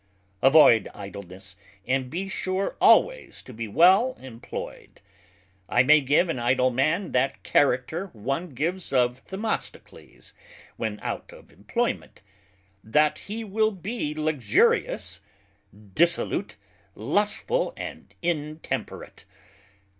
Avoid Idleness, and be sure alwayes to be well employed. I may give an idle man that character one gives of Themistocles when out of imployment, That he will be luxurious, dissolute, lustful, and intemperate.